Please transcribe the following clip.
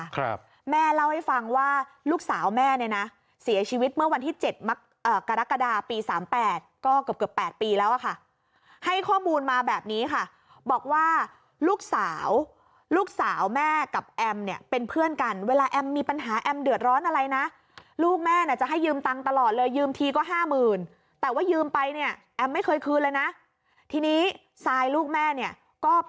ครับแม่เล่าให้ฟังว่าลูกสาวแม่เนี้ยน่ะเสียชีวิตเมื่อวันที่เจ็ดมักเอ่อกระดักกระดาษปีสามแปดก็เกือบเกือบแปดปีแล้วอ่ะค่ะให้ข้อมูลมาแบบนี้ค่ะบอกว่าลูกสาวลูกสาวแม่กับแอมเนี้ยเป็นเพื่อนกันเวลาแอมมีปัญหาแอมเดือดร้อนอะไรน่ะลูกแม่น่ะจะให้ยืมตังค์ตลอดเลยยืมทีก็